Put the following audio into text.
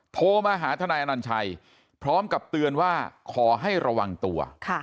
โทรมาหาทนายอนัญชัยพร้อมกับเตือนว่าขอให้ระวังตัว